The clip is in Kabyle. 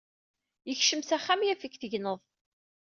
Yekcem s axxam yaf-ik tegneḍ.